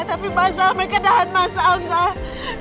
tapi pasal mereka dahan masalah enggak